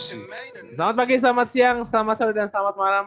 selamat pagi selamat siang selamat sore dan selamat malam